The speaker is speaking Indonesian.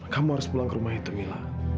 kamu harus pulang ke rumah itu mila